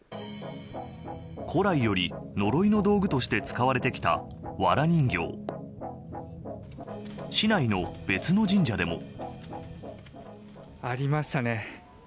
古来より呪いの道具として使われてきた、わら人形。ありましたね。